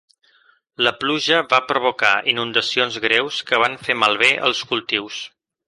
La pluja va provocar inundacions greus que van fer malbé els cultius.